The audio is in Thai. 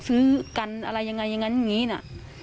ซื้อกันอะไรยังไงอย่างนั้นอย่างนี้นะ